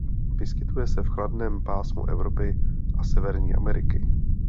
Vyskytuje se v chladném pásmu Evropy a Severní Ameriky.